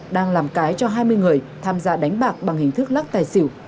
đang làm cái cho hai mươi người tham gia đánh bạc bằng hình thức lắc tài xỉu